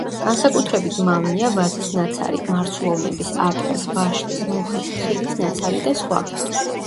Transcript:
განსაკუთრებით მავნეა ვაზის ნაცარი, მარცვლოვნების, ატმის, ვაშლის, მუხის, თხილის ნაცარი და სხვა.